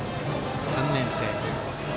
３年生。